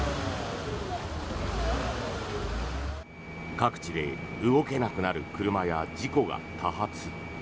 各地で動けなくなる車や事故が多発。